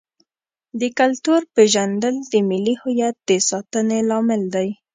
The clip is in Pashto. د کلتور پیژندل د ملي هویت د ساتنې لامل دی.